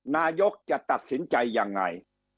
นายกจะตัดสินใจยังไง